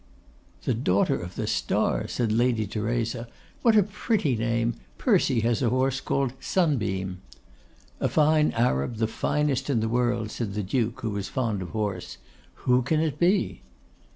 'The Daughter of the Star!' said Lady Theresa. 'What a pretty name! Percy has a horse called "Sunbeam."' 'A fine Arab, the finest in the world!' said the Duke, who was fond of horse. 'Who can it be?